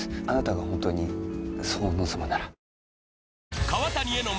あなたが本当にそう望むなら。